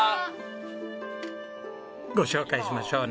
ご紹介しましょうね。